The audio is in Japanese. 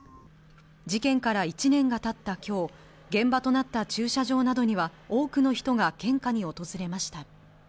事件から１年がたったきょう、現場となった駐車場などには、多くの人が献花に訪れました。